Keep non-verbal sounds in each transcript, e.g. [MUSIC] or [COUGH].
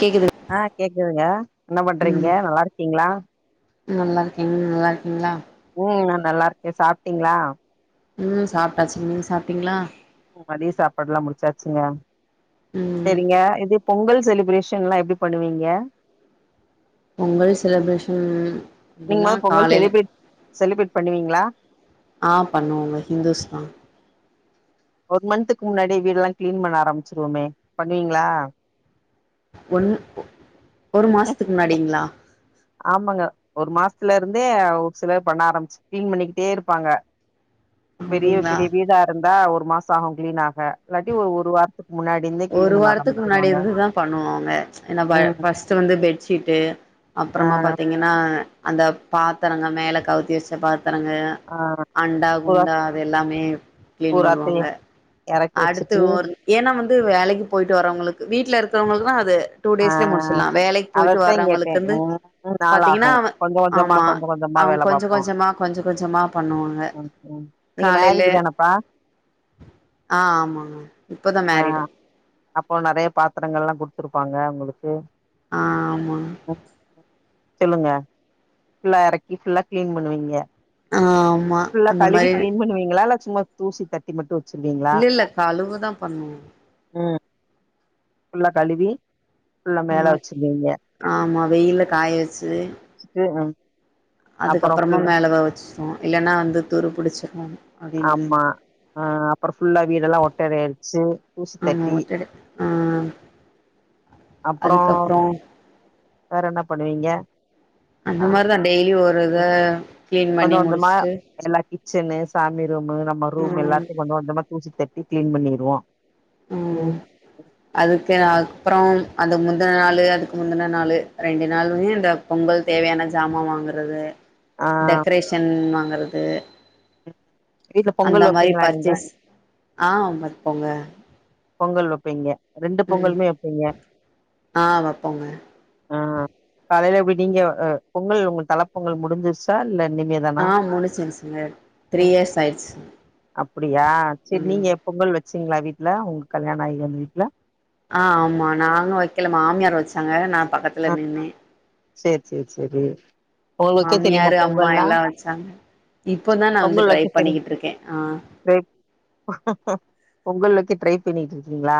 கேக்குது ஆ கேக்குதுங்க என்ன பண்றீங்க ம் நல்லா இருக்கீங்களா நல்லா இருக்கேங்க நீங்க நல்லா இருக்கீங்களா ம் நா நல்லா இருக்கே சாப்ட்டீங்களா ம் சாப்ட்டாச்சு நீங்க சாப்ட்டீங்களா ம் மதிய சாப்பாடுலா முடிச்சாச்சுங்ளா ம் செரிங்க பொங்கல் செலிப்ரேஷன்லா எப்டி பண்ணுவீங்க பொங்கல் செலப்ரேஷன் நீங்க அப்டின்னா மொத பொங்கல் காலையில செலிப்ரேட் செலிப்ரேட் பண்ணுவீங்ளா ஆ பண்ணுவோங்க ஹிந்துஸ்தா ஒரு மந்த்துக்கு முன்னாடியே வீடெல்லா கிளீன் பண்ண ஆரம்பிச்சிருவோமே பண்ணுவீங்ளா ஒன் ஒரு மாசத்துக்கு முன்னாடிங்ளா ஆமாங்க ஒரு மாசத்துல இருந்தே ஒரு சிலர் பண்ண ஆரம்பிச்சு கிளீன் பண்ணிக்கிட்டே இருப்பாங்க பெரிய அப்டிங்களா பெரிய வீடா இருந்தா ஒரு மாசோ ஆகு கிளீனாக இல்லாட்டி ஒரு வாரத்துக்கு முன்னாடி இருந்தே கிளீன் ஒரு பண்ண வாரத்துக்கு முன்னாடி ஆரம்பிச்சிருவாங்க இருந்துதா பண்ணுவோங்க ஏனா ம் ஃபர்ஸ்ட் வந்து பெட்ஷீட்டு ஆ அப்றோமா பாத்தீங்கனா அந்த பாத்திரங்க மேல கவுத்தி வச்ச பாத்திரங்க ஆ அண்டா பூரா குண்டா அது எல்லாமே கிளீன் பூராத்தையு பண்ணுவாங்க எறக்கி வச்சுட்டு ஏனா வந்து வேலைக்கு போயிட்டு வர்றவங்களுக்கு வீட்ல இருக்குறவங்களுக்கு தா அது டூ ஆ டேஸ்ல முடிச்சிடலா வேலைக்கு போயிட்டு அதத்தா கேட்டே வர்றவங்களுக்கு வந்து ம் நாள் ஆகு பாத்தீங்கன்னா கொஞ்ச கொஞ்சமா ஆமா கொஞ்ச கொஞ்சமா அவுங்க வேல கொஞ்சோ பாப்போ கொஞ்சமா கொஞ்சோ கொஞ்சமா பண்ணுவாங்க ம் ம் நீங்க காலைல மேரிடு தானப்பா ஆ ஆமாங்க இப்பதா ஆ மேரிடு அப்போ நெறைய பாத்திரங்களா குடுத்துருப்பாங்க உங்களுக்கு ஆமா சொல்லுங்க ஃபுல்லா எறக்கி ஃபுல்லா க்ளீன் பண்ணுவீங்க ஆமா ஃபுல்லா அந்த கழுவி மாரி கிளீன் பண்ணுவீங்ளா இல்ல சும்மா தூசி தட்டி மட்டு வச்சிருவீங்ளா இல்ல இல்ல கழுவுதா பண்ணுவோ ம் ஃபுல்லா கழுவி ஃபுல்லா மேல ஆ வச்சிருவீங்க ஆமா வெயில்ல காய வச்சு சே அ அதுக்கப்றோமா மேல வ வச்சுருவோ இல்லன்னா வந்து துரு பிடிச்சிருனு ஆமா அ அப்றோ ஃபுல்லா வீடெல்லா ஒட்டறையடிச்சு தூசி ஆமா தட்டி ஒட்டட [INAUDIBLE] அப்பறோ அதுக்கப்றோ வேற என்ன பண்ணுவீங்க அந்த ஆ மாரிதா டெய்லியு கிளீன் கொஞ்ச பண்ணி கொஞ்சமா முடிச்சுட்டு எல்லா கிச்சனு சாமி ரூம்மு நம்ம ரூம்மு ம் எல்லாத்தையு கொஞ்ச கொஞ்சமா தூசி தட்டி கிளீன் பண்ணிருவோ ம் அதுக்கு அப்புறம் அது முந்தின நாளு அதுக்கு முந்தின நாளு ரெண்டு நாளு மீந்ந பொங்கல் தேவையான ஜாமா வாங்குறது ஆ டெக்கரேஷன் வாங்குறது வீட்ல அந்த பொங்கல் மாரி வப்பீங்களா நீங்க பர்ஜஸ் அ வப்போங்க பொங்கல் வைப்பீங்க ரெண்டு ம் பொங்கலுமே வைப்பீங்க ஆ வப்போங்க அ காலையில விடிங்க பொங்கல் உங்க தலப் பொங்கல் முடிஞ்சிருச்சா இல்ல இனிமே தானா ஆ முடிச்சிருச்சுங்க த்ரீ ம் இயர்ஸ் ஆயிடுச்சு அப்டியா சேரி ம் நீங்க எப் பொங்கல் வச்சீங்ளா வீட்ல உங்க கல்யாண ஆகி வந்த வீட்ல அ ஆமா நானு வைக்கல மாமியார் வச்சாங்க நா பக்கத்துல நின்னே சேர் சேர் சேரி உங்களுக்கு வைக்க தெரியுமா மாமியாரு அம்மா பொங்கல்லா எல்லா வச்சாங்க இப்பதா நா வந்து ட்ரை தெரியு பண்ணிக்கிட்டு இருக்க அ பொங்கல் வைக்க ட்ரை ட்ரை பண்ணிட்டு இருக்கீங்ளா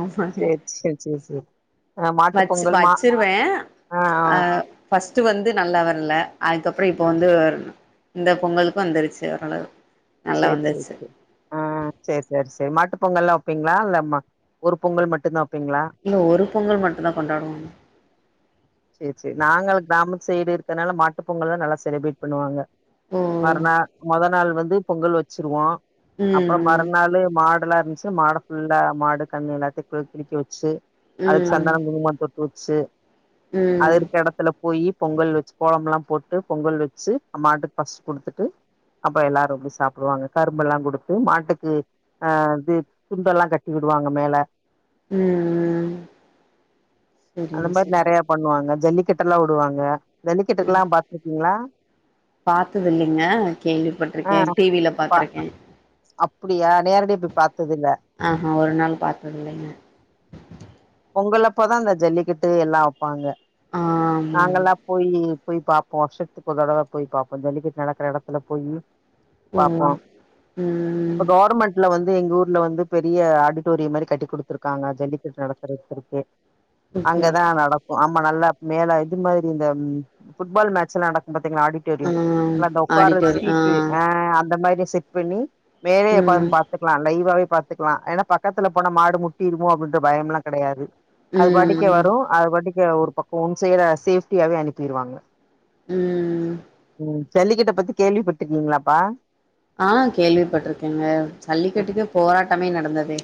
ஆமாங்க சேர் சேர் சேரி சேரி அ மாட்டு பொங்கல் மா வச்சே ஆ ஆ ஃபஸ்ட் வந்து நல்லா வரல அதுக்கப்றோ இப்ப ம் வந்து இந்த பொங்கலுக்கும் வந்துருச்சு ஓரளவு நல்லா செர் செர் வந்துருச்சு செர் ம் சேர் செர் செர் மாட்டு பொங்கல்லா வெப்பீங்ளா இல்ல ஒரு பொங்கல் மட்டு தா வெப்பீங்ளா இல்ல ஒரு பொங்கல் மட்டும் தா கொண்டாடுவாங்க செர் செர் நாங்களு கிராம சைடு இருக்கனால மாட்டு பொங்கல் தா நல்லா செலிப்ரேட் பண்ணுவாங்க ஓ மறுநா மொத நாள் வந்து பொங்கல் வச்சிருவோ அப்புறோ ம் மறுநாளு மாடுல்லா இருந்துச் மாட ஃபுல்லா மாடு கன்னு எல்லாத்தையு குளிக்கவெச்சு அதுக்கு ம் சந்தனம் குங்குமம் பொட்டு வச்சு ம் அது ம் இருக்கற எடத்துல போயி பொங்கல் வெச்சு கோலம்லா போட்டு பொங்கல் வெச்சு அம்மாட்டுக் ஃபர்ஸ்ட்டு குடுத்துட்டு அப்றோ எல்லாரு வந்து சாப்புடுவாங்க கரும்பெல்லா குடுத்து மாட்டுக்கு ஆ இது துண்டெல்லா கட்டி விடுவாங்க மேல ம் அந்த செரிங்க மாரி செரி நெறைய பண்ணுவாங்க ஜல்லிக்கட்டுல்லா உடுவாங்க ம் ஜல்லிக்கட்டுக்கல்லா பாத்ருக்கீங்ளா பாத்தது இல்லைங்க கேள்விப்பட்ருக்கே டி வில பாத்ருக்கே அப்படியா நேரடிய போய் பாத்தது இல்ல அ அ ஒரு நாள் பாத்ததில்லைங்க பொங்கல் அப்பதா இந்த ஜல்லிக்கிட்டு எல்லா வெப்பாங்க ஆமா ஆமா நாங்கள்லா போய்யி போய் பாப்போ வருஷத்துக் ஒரு தடவ போய் பாப்போ ஜல்லிக்கட்டு நடக்கிற எடத்துல போய்யி ஓ ம் இப்ப கவர்மெண்ட் இப்ப தா வந்து எங்க ஊர்ல வந்து பெரிய ஆடிட்டோரியம் மாரி கட்டி் குடுத்துருக்காங்க ஜல்லிகட்டு நடத்துறதுக்கு ஓகே அங்கதா ஓகே நடக் ஆமா நல்லா மேல இது மாதிரி இந்த ஃபுட்பால் மேச்செல்லா நடக்கும் பாத்தீங்ளா ஆடிட் ஆ டோரியம் அந்த ஒக்கார சீட்டு ஆ அந்த மாரி செட் பண்ணி மேலயே ம் உக்காந்த் பாக் பாத்துக்லா லைவ்வாவே பாத்துக்லா ஏன்னா பக்கத்துல போன மாடு முட்டிடுமோ அப்டின்ற பயம்ல்லா கெடையாது அது பாட்டக்கு ம் வரும் அது பாட்டக்கே ஒரு பக்கம் ஒன் சைடா சேஃப்டியாவே அனுப்பி விடுவாங்க ம் ம் ஜல்லிக்கட்ட பத்தி கேள்விப்பட்ருக்கீங்ளா பா ஆ கேள்விப்பட்ருக்கேங்க ஜல்லிக்கட்டுக்கு போராட்டமே நடந்ததே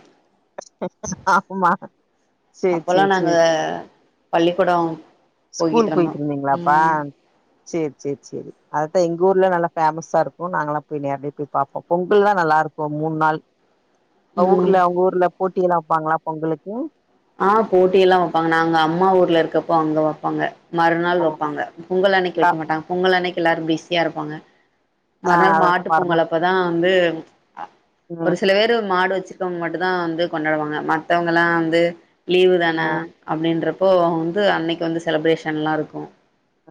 ஆம்மா அப்பலா நாங்க பள்ளிக்கூடோ ஸ்கூல் போய்கிட்ருந்தோ போயிட்ருந்தீங்ளாப்பா ம் செர் செர் செரி அததா எங்க ஊர்ல நல்லா ஃபேமஸா இருக்கும் நாங்கள்லா போய் நேர்லயே போய் பாப்போ கன்ட்டினீயூவா நல்லா இருக்கும் மூண் நாள் அவ் ம் ஊர்ல அவுங்க ஊர்ல போட்டில்லா வெப்பாங்ளா பொங்கலுக்கு ஆ போட்டி எல்லா வெப்பாங்க நாங்க அம்மா ஊர்ல இருக்கப்போ அங்க வெப்பாங்க ஆ மறுநாள் வெப்பாங்க பொங்கல் அன்னைக்கு கா வெக்க மாட்டாங்க பொங்கல் அன்னைக்கு எல்லாரும் பிஸியா இருப்பாங்க ஆ மறுநாள் அதெல்லா மாட்டு பொங்கல் மறுநாள் அப்பதா வந்து ம் ஒரு சில பேரு மாடு வெச்சிருக் கவங்க மட்டும்தா வந்து கொண்டாடுவாங்க மத்தவங்களா வந்து லீவுதான ஆ அப்டின்றப் போ வந்து அன்னைக்கு வந்து செலப்ரேஷன்லா இருக்கும்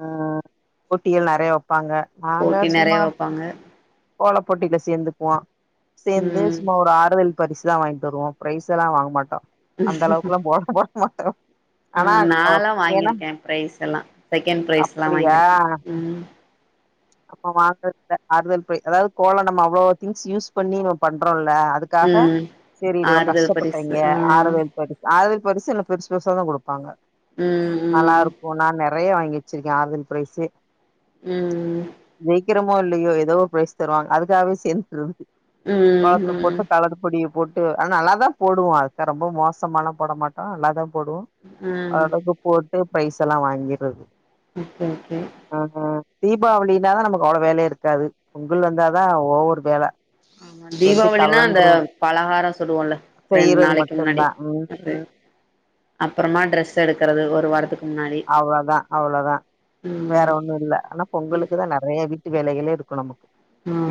ம் போட்டிகள் நறைய வெப்பாங்க போட்டி நெறைய வெப்பாங்க கோல போட்டில சேந்துக்குவோ சேந்து ம் சும்மா ஒரு ஆறுதல் பரிசுதா வாங்கிட்டு வருவோம் ப்ரைஸ்லா வாங்க மாட்டோ அந்த அளவுக்குல்லா கோலம் போட மாட்ட அ நாலா வாங்கிருக்கே பிரைஸ் எல்லா செகண்ட் பிரைஸ் எல்லா அப்டியா வாங்கிருக்கே ம் நம்ம வாங்கறத்தில்ல ஆறுதல் ப்பிரை அதாது கோலே நம்ம அவ்ளோ திங்ஸ் யூஸ் பண்ணி நம்ம பண்றோம்ல்ல அதுக் அதுக்காக ம் செரி இவ்ளோ ஆறுதல் பரிசு கஷ்டப்பட்டாங்க ஆ ஆறுதல் சொரி அது பெர்சில்ல பெருஸ் பெருசதா குடுப்பாங்க ம் நல்லா ம் இருக்கோ நா நெறய வாங்கி வச்சிருக்கே ஆறுதல் ப்ரைஸே ம் ம் ஜெய்க்ரமோ இல்லயோ ஏதோ ப்ரைஸ் தருவாங்க அதுக்காகவே சேர்ந்துக்கிறது ம் பாக்கு ம் போட்டு கலர் பொடியூ போட்டு ஆனா நல்லாதா போடுவோ அதுக்க ரொம்ப மோசமாலா போட மாட்டோ நல்லாதா போடுவோ ம் ஓர் அளவுக்கு போட்டு ப்ரைஸ்ல்லா வாங்கிறது ஓக்கே ஓக்கே அ ஆ தீபாவளினாதா நமக்கு அவ்ளோ வேலை இருக்காது பொங்கல் வந்தாதா ஓவர் வேல அந் வெந்து தீபாவளின்னா அந்த கலண்டுரு பலகாரம் சுடுவோம்ல ரெண் செய்யறது நாளைக்கு முன்னாடி மட்டுந்தா ம் அது ம் அப்புறமா ட்ரெஸ் எடுக்குறது ஒரு வாரத்துக்கு முன்னாடி அவ்ளோதா அவ்ளோதா வேற ம் ஒன்னும் இல்ல ஆனா பொங்களுக்குதா நெறய வீட்டு வேலைகளே இருக்கனோ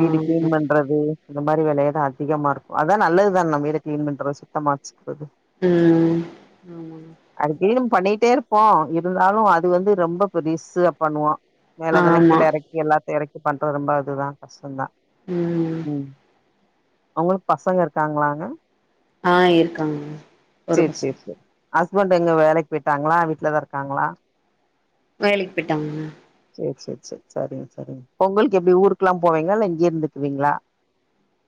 வீடு கிளீன் பண்ணோ பெறகு இந்த மாரி வேலையதா அதிகமா இருக்கூ அதா நல்லதுதான நம்ம வீடு கிளீன் பண்றது சுத்தமா வெச்சுக்குறது ம் ஆமாங்க அது கிளீன் பண்ணிட்டே இருப்போ இப் இருந்தாலூ அது வந்து ரொம்ப பெருஸ்சா பண்ணுவோ மேல அதெல்லா ஆமா கீல ‌எறக்கி எல்லாத்தையூ எறக்கி பண்றது ரொம்ப இதுதா கஷ்டம்தா ம் ம் ம் உங்ளுக் பசங்க இருக்காங்ளாங்க ஆ இருக்காங்க ஒரு செரி செரி பசங்க செர் ஹஸ்பண்ட் எங்க வேலைக் போய்ட்டாங்களா வீட்டு்லதா இருக்காங்களா வேலைக் போய்ட்டாங்க செர் செர் செர் சரிங் சரிங் பொங்கல்கு எப்டி ஊருக்குல்லா போவீங்களா இல்ல இங்கே இருந்துக்குவீங்களா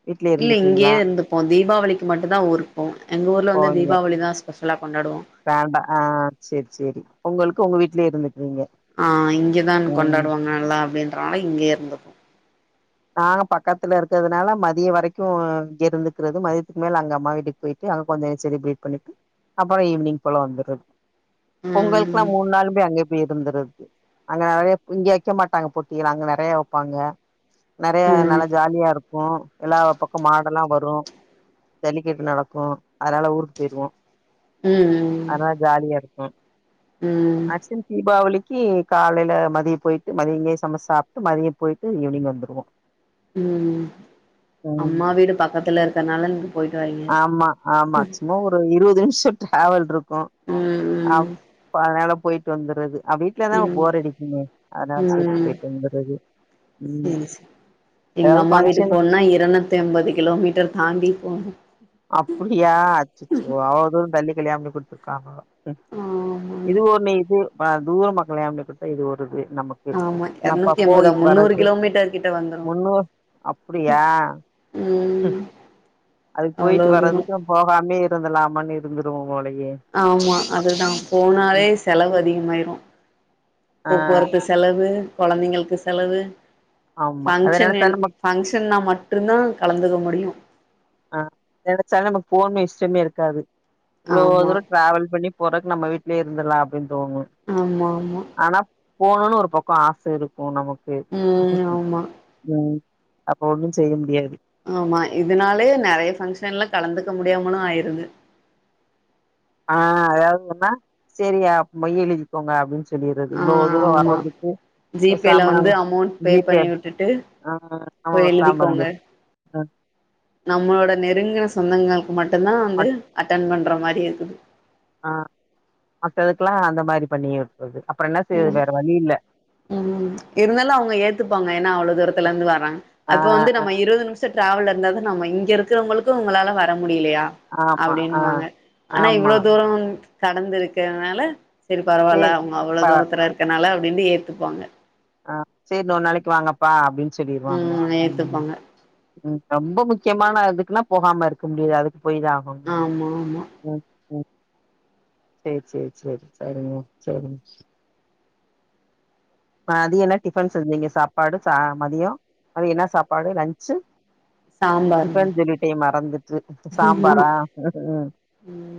வீட்லயே இல்ல இங்கேயே இருந்துக்குவீங்களா இருந்துப்போ தீபாவளிக்கு மட்டுந் தா ஊருக்கு போவோ எங்க ஊர்ல வந்து போவீங்க தீபாவளி தா பெசலா கொண்டாடுவோ வேண்டா ஆ செரி சேரி பொங்களுக்கு உங்க வீட்லயே இருந்துக்குவீங்க ஆ இங்க தான் ம் கொண்டாடுவாங்க நல்லா அப்படின்றனால இங்கயே இருந்துப் நாங்க பக்கத்துல இருக்கிறதுனால மதியே வரைக்கூ இங்க இருந்துக்கறது மதியத்துக்கு மேல அங்க அம்மா வீட்டுக்கு போயிட்டு அங்க கொஞ்சொ செலிப்ரேட் பண்ணிட்டு அப்புறோ ஈவினி்ங் போல வந்தூறத்து பொங்களுக்கெல்லா ம் மூண் நாள் போய் அங்கே போய் இருந்தறத்து அங்க நெறையப் இங்க வைக்க மாட்டாங்க போட்டியல்லா அங்க நெறயா வைப்பாங்க நெறய ம் நல்லா ஜாலியா இருக்கூ எல்லா பக்கோ மாட் இதெல்லா வரூ ஜல்லிக்கட்டு நடக்கூ அதனால ஊருக்கு போயரூவோ ம் ம் அதா ஜாலியா இருக்கோ ம் ஆசின் தீபாவளிக்கு காலைல மதியோ போயிட்டு மதியோ அங்கே சமைச்சு சாப்பிட்டு மதியோ போயிட்டு ஈவினிங் வந்துரூ போவோ ம் அம்மா வீடு பக்கத்துல இருக்கற்னால நீங்க போயிட்டு வரீங்க ஆமா ஆமா ம் சும்மா ஒரு இருபது நிமிஷோ டிராவல் இருக்கு ம் ம் அப் ப அதனால போயிட்டு வந்துறது அப்டியே வீட்ல தா ம் போர் அடிக்குமே அதா செரின்ட்டு ம் போயிட்டு வந்தறது உம் செரி செரி எங்க அம்மா வீட்டுக்கு போணுன்னா இருநூத்தி எம்பது கிலோமீட்டர் தாண்டி போனு அப்புடியா அச்சுச்சு அவ்ளோ தூரோ தள்ளி கல்யாண பண்ணி குடுத்துருக்காங்க ஆமாங்க இது ஒன்னு இது தூர மக்களே ஆம்பளையா பெத்தா இது ஒரு இது நமக்கு என்னப்பா போயி வரக்கு மீட்டர் கிட்ட வந்து முன்னு அப்டியா ம் அதுக்கு அவ்ளோ போயிட்டு தூரோ வரதுக்கு போகாமயே இருந்தலாமானு இருந்துருவோ போலயே ஆமா அதுதா போனாலே ம் செலவு அதிகமாயிரு ஆ போக்குவரத்து செலவு கொழந்தைங்களுக்கு செலவு ஆமா அத ஃபங்க்ஷன் நெனச்சா நம்ம ஃபங்க்ஷன்னா மட்டுந்தா கலந்துக்க முடியு ஆ கெடச்சா நமக்கு போணு இஷ்டமே இருக்காது இவ்ளோ ஆமா தூரோ டிராவல் பண்ணி போறக்கு நம்ம வீட்லயே இருந்துரலா அப்டின் தோணு ஆமா ஆமா ஆனா போனுன் ஒரு பக்கோ ஆச இருக்கு நமக்கு ம் ஆமா உம் அப்ப ஒன்னு செய்ய முடியாது ஆமா இதனாலேயே நெறய பஃங்க்ஷன்ல கலந்துக்க முடியாமலு ஆயிருது ஆ அதாவதுன்னா சரி ஆ மொய் எழுதி க்கோங்க அப்டின் சொல்லிறது ஆ இவ்ளோ தூரோ ஆமா வர்றதுக்கு ஓ ஜிபேல சாம ங் வந்து அமௌண்ட் பே வீட்லயே பண்ணி இரு விட்டுட்டு ஆ ஆமா போய் சாம ந் எழுதிக்கோங்க து நம்மளோட நெருங்குன சொந்தங்களுக்கு மட்டுந்தா வந்து மத் அட்டன் பண்ற மாரி இருக்குது ஆ மத்ததுக்கெல்லா அந்த மாரி பண்ணி விடறது அப்பறோ என்ன செய்யுறது வேற வழி இல்ல உ இருந்தாலு அவுங்க ஏத்துப்பாங்க ஏனா அவ்ளோ தூரத்துல இருந்து வர்றாங்க ஆ அப்ப வந்து நம்ம இருவது நிமிஷ டிராவல் இருந்தது நம்ம இங்க இருக்கிறவங்களுக்கு உங்களால வர முடியிலையா ஆமா ஆ அப்படின்வாங்க ஆனா ஆமா இவ்ளோ தூரோ வந் கடந்து இருக்குறதுனால சரி பரவாயில்ல சேரி அவுங்க அவ்ளோ பா தூரத்ல இருக்கதுனால அப்டின்ட்டு ஏத்துப்பாங்க ஆ சேரி இன்னொரு நாளைக்கு வாங்கப்பா அப்டின் சொல்லிருவாங்க ம் ஏத்துப்பாங்க ம் ரொம்ப முக்யமான அதுக்குன்னா போகாம இருக்க முடியாது அதுக்கு போய் தா ஆகனு ஆமா ஆமா ம் சேரி சேரி சேரி சரிங்க சரிங்க மதிய என்ன டிபன் செஞ்சீங்க சாப்பாடு ச மதியோ மதியோ என்ன சாப்பாடு லன்ச்சு சாம்பாருங்க சிக்கன் சொல்லிட்டே மறந்துட்டு இப்ப சாம்பாரா உம்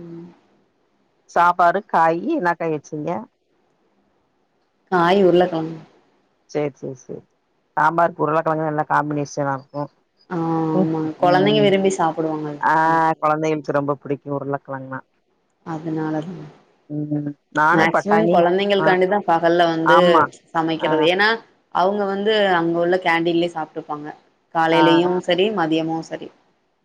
சாப்பாடு காய் என்ன காய் வச்சிங்க காய் உருளக்கெழங்கு சேரி சேரி சேரி சாம்பார்க்கு உருளக்கெழங்கு நல்லா காம்பினேஷன இருக்கு உம் ஆமா கொழந்தைங்க உம் விரும்பி சாப்புடுவாங்கல்ல ஆ கொழந்தைகளுக்கு ரொம்ப பிடிக்கு உருளக்கெழங்னா அதனால தா உம் மேக்சிமம் கொழந்தைங்கள்காண்டிதா பகல்ல வந்து ஆமா ஆ சமைக்கிறது ஏன்னா அவுங்க வந்து அங்க உள்ள கேண்டீன்லயே சாப்டுப்பாங்க ஆ காலேலயு சரி மதியமு சரி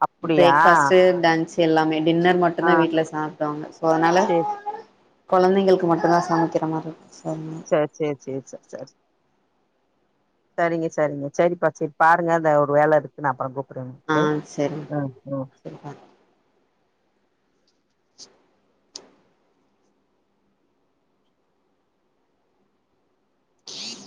அப்டியா பிரேக்பாஸ்ட்டு லன்ச் எல்லாமே டின்னர் ஆ மட்டுந் தா வீட்டுல சாப்பிட்டோ அங்க சோ அதனால சேரி கொழந்தைங்களுக்கு மட்டுந்தா சமைக்கற மாரி இருக்கு சோ அதனால சேரி சேரி சேரி சரி சரி சரிங்க சரிங்க சரிப்பா சரி பாருங்க இந்தா ஒரு வேல இருக்கு நா அப்பற கூப்பட்றே ஆ செரிங்க உங்களுக்கு செரிப்பா